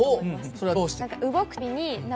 それはどうして？